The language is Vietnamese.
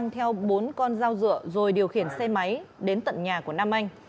theo bốn con dao rượu rồi điều khiển xe máy đến tận nhà của nam anh